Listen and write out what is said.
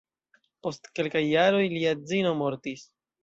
Post kelkaj jaroj lia edzino mortis.